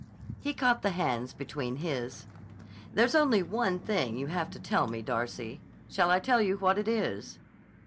He caught the hands between his. "There's only one thing you have to tell me, Darcy. Shall I tell you what it is?"